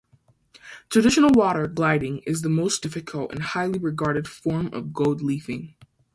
Traditional water gilding is the most difficult and highly regarded form of gold leafing.